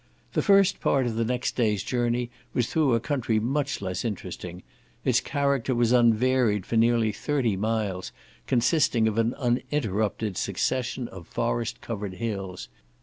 The first part of the next day's journey was through a country much less interesting: its character was unvaried for nearly thirty miles, consisting of an uninterrupted succession of forest covered hills.